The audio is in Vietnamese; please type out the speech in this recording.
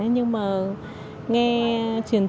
nhưng mà nghe